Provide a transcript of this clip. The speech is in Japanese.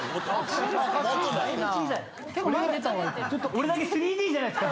俺だけ３Ｄじゃないですか？